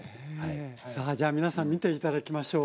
さあじゃあ皆さん見て頂きましょう。